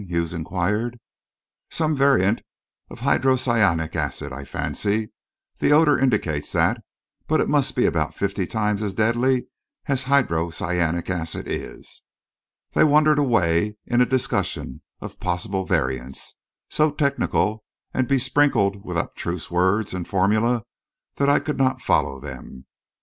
Hughes inquired. "Some variant of hydrocyanic acid, I fancy the odour indicates that; but it must be about fifty times as deadly as hydrocyanic acid is." They wandered away into a discussion of possible variants, so technical and be sprinkled with abstruse words and formulae that I could not follow them.